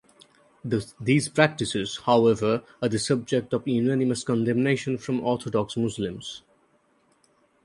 These practises however are the subject of unanimous condemnation from orthodox Muslims.